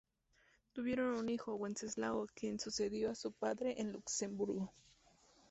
Tuvieron un hijo, Wenceslao, quien sucedió a su padre en Luxemburgo.